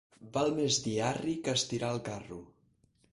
Val més dir arri que estirar el carro.